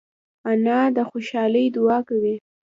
انا د خوشحالۍ دعا کوي